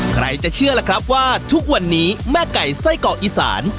ใครจะเชื่อล่ะครับว่าทุกวันนี้แม่ไก่ไส้เกาะอีสาน